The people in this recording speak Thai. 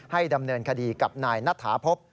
ให้ดำเนินคดีกับนายนัดถาพบ